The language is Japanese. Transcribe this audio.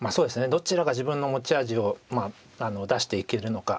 どちらが自分の持ち味を出していけるのか。